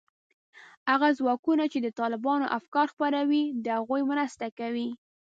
هغه ځواکونو چې د طالبانو افکار خپروي، د هغوی مرسته کوي